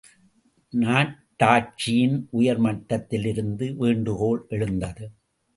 நாட்டாட்சியின் உயர்மட்டத்திலிருந்து வேண்டுகோள் எழுந்தது.